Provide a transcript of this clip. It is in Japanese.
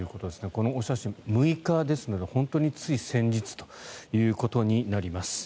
このお写真、６日ですので本当につい先日ということになります。